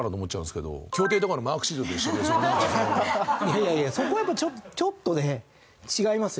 いやいやそこはやっぱちょっとね違いますよ。